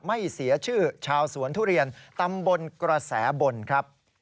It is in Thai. ไม่เสียชื่อชาวสวนทุเรียนตำบลกระแสบนครับ